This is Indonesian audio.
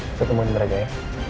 kita tem american aja ya